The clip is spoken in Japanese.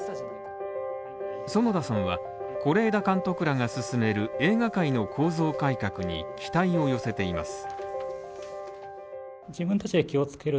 園田さんは是枝監督らが進める映画界の構造改革に期待を寄せています。